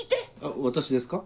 私ですか？